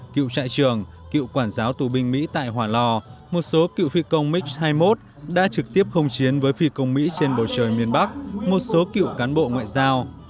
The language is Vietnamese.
cựu trại trường cựu quản giáo tù binh mỹ tại hòa lò một số cựu phi công mig hai mươi một đã trực tiếp không chiến với phi công mỹ trên bầu trời miền bắc một số cựu cán bộ ngoại giao